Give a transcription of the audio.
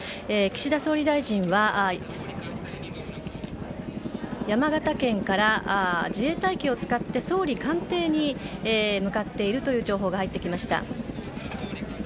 岸田総理大臣は山形県から自衛隊機を使って総理官邸に向かっているという情報が入ってきました。